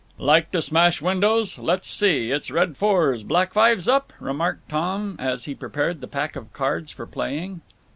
"Like to smash windows? Let's see—it's red fours, black fives up?" remarked Tom, as he prepared the pack of cards for playing.